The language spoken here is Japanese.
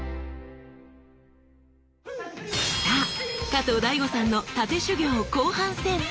さあ加藤大悟さんの殺陣修業後半戦。